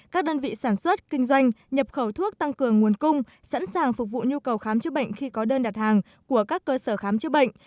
các đơn vị sản xuất kinh doanh nhập khẩu thuốc tăng cường nguồn cung sẵn sàng phục vụ nhu cầu khám chữa bệnh khi có đơn đặt hàng của các cơ sở khám chữa bệnh